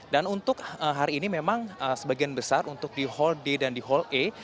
untuk hari ini memang sebagian besar untuk di hall d dan di hall e